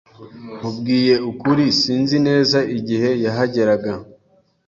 Nkubwije ukuri, sinzi neza igihe yahageraga.